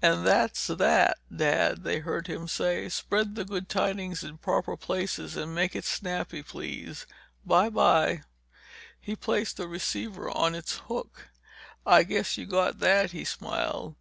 "And that's that, Dad," they heard him say. "Spread the good tidings in proper places and make it snappy, please. Bye bye!" He placed the receiver on its hook. "I guess you got that," he smiled.